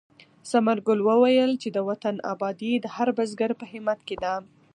ثمر ګل وویل چې د وطن ابادي د هر بزګر په همت کې ده.